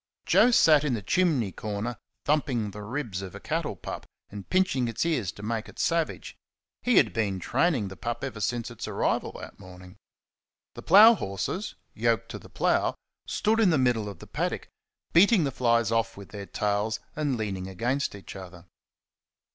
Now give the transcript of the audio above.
Joe sat in the chimney corner thumping the ribs of a cattle pup, and pinching its ears to make it savage. He had been training the pup ever since its arrival that morning. The plough horses, yoked to the plough, stood in the middle of the paddock, beating the flies off with their tails and leaning against each other.